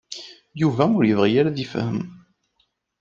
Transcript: Yuba ur yebɣi ad yefhem.